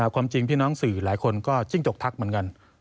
ความจริงพี่น้องสื่อหลายคนก็จิ้งจกทักเหมือนกัน